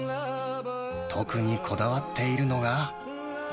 特にこだわっているのが。